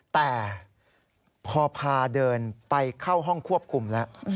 แต่พอพาเดินไปเข้าห้องควบคุมแล้ว